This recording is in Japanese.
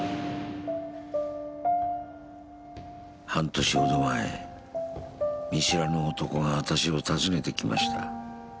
半年ほど前見知らぬ男が私を訪ねてきました。